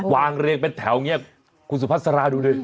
วางเรียกเป็นแถวอย่างนี้คุณสุภัสราดูเลย